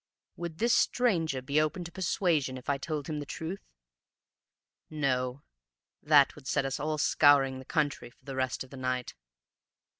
Would this stranger be open to persuasion if I told him the truth? No; that would set us all scouring the country for the rest of the night.